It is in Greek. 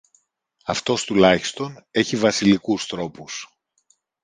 Αυτός τουλάχιστον έχει βασιλικούς τρόπους!